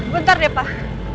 bentar deh pak